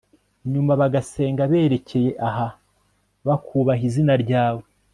nyuma bagasenga berekeye aha, bakubaha izina ryawe